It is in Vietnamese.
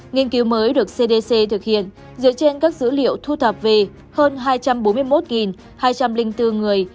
nghiên cứu mới được cdc thực hiện dựa trên các dữ liệu thu thập về hơn hai trăm bốn mươi một hai trăm linh bốn người